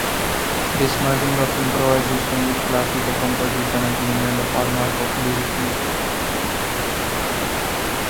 This merging of improvisation with classical composition has remained a hallmark of Beal's music.